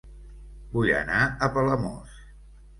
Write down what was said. Vull anar a Palamós